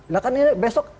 nah kan ini besok